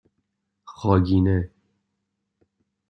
خاگینه